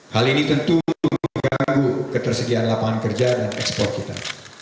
hal ini tentu mengganggu ketersediaan lapangan kerja dan ekspor kita